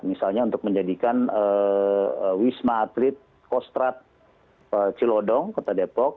misalnya untuk menjadikan wisma atlet kostrat cilodong kota depok